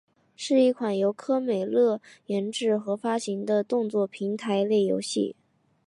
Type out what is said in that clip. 是一款由科乐美制作和发行的动作平台类游戏。